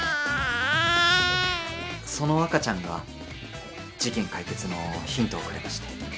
・その赤ちゃんが事件解決のヒントをくれまして。